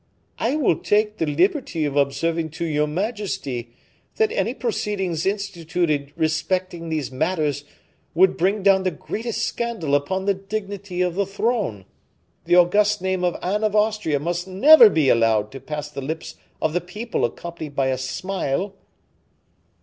"I will take the liberty of observing to your majesty, that any proceedings instituted respecting these matters would bring down the greatest scandal upon the dignity of the throne. The august name of Anne of Austria must never be allowed to pass the lips of the people accompanied by a smile."